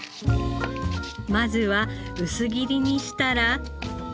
まずは薄切りにしたら。